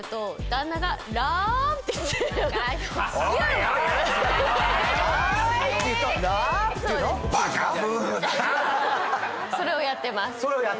だなそれをやってます